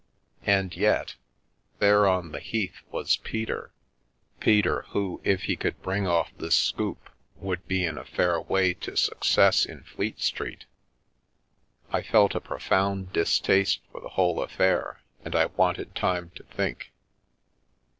And yet — there on the Heath was Peter — Peter, who, if he could bring off this " scoop," would be in a fair way to success in Fleet Street. I felt a profound distaste for the whole affair, and I wanted time to think.